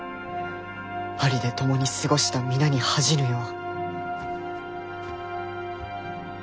パリで共に過ごした皆に恥じぬよう。